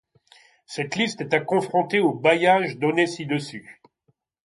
Cette liste est à confronter aux bailliages donnés ci-dessus.